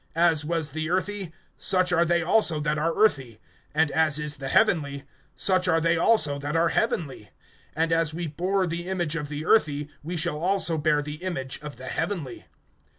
(48)As was the earthy, such are they also that are earthy; and as is the heavenly, such are they also that are heavenly. (49)And as we bore the image of the earthy, we shall also bear the image of the heavenly.